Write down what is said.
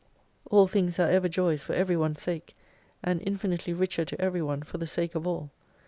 All things are ever joys for every one's sake* and infinitely richer to every one for the sake of all.